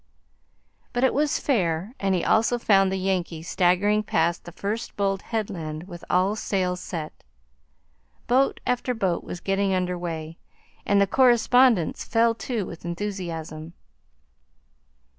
But it was fair, and he also found the Yankee staggering past the first bold headland with all sail set. Boat after boat was getting under way, and the correspondents fell to with enthusiasm.